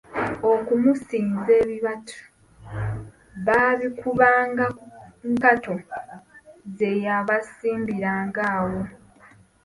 Okumusinza ebibatu baabikubanga ku nkato ze yabasimbiranga awo.